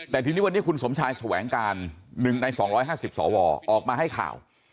แต่ทีนี้วันนี้คุณสมชายแสวงการ๑ใน๒๕๐สวออกมาให้ข่าว